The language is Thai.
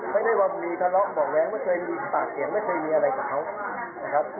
ไม่ได้ว่ามีทะเลาะเบาะแว้งไม่เคยมีปากเสียงไม่เคยมีอะไรกับเขานะครับ